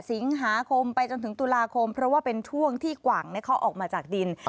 สิงหาคมไปจนถึงตุลาคมเพราะว่าเป็นช่วงที่กว่างเขาออกมาจากดิน